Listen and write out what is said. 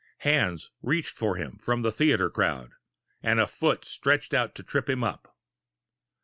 Hands reached for him from the theater crowd, and a foot stretched out to trip him up.